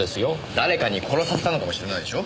誰かに殺させたのかもしれないでしょ？